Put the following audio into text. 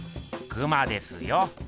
クマですよ。